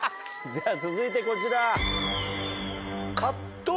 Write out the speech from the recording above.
じゃ続いてこちら。